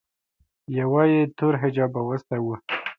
یوه یې تور حجاب اغوستی و.